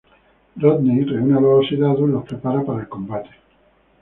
Rodney reúne a los oxidados y los prepara para el combate.